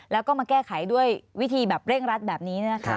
แล้วก็มาแก้ไขด้วยวิธีแบบเร่งรัดแบบนี้นะคะ